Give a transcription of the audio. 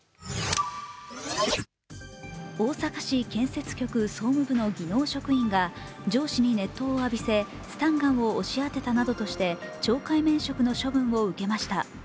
大阪市建設局総務部の技能職員が上司に熱湯を浴びせ、スタンガンを押し当てたなどとして懲戒免職の処分を受けました。